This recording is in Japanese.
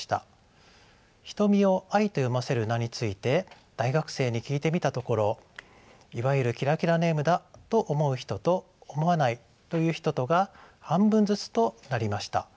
「瞳」を「アイ」と読ませる名について大学生に聞いてみたところいわゆるキラキラネームだと思う人と思わないという人とが半分ずつとなりました。